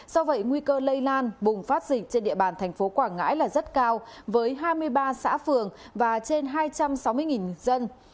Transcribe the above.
do vậy nguy cơ lây lan bùng phát dịch trên địa bàn thành phố quảng ngãi là rất cao với hai mươi ba xã phường và trên hai trăm sáu mươi người dân